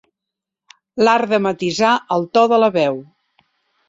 L'art de matisar el to de la veu.